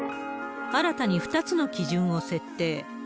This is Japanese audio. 新たに２つの基準を設定。